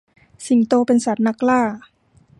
สิงโตเป็นสัตว์นักล่า